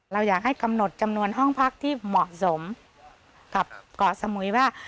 เราอยากให้กำหนดจำนวนห้องพักที่เหมาะสมกับเกาะสมุยว่า